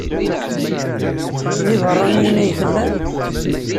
D ibeṛṛaniyen i tellam?